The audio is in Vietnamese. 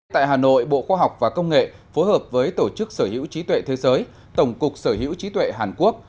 tại hà nội bộ khoa học và công nghệ phối hợp với tổ chức sở hữu trí tuệ thế giới tổng cục sở hữu trí tuệ hàn quốc